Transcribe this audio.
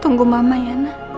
tunggu mama ya